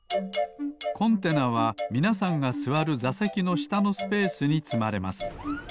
コンテナはみなさんがすわるざせきのしたのスペースにつまれます。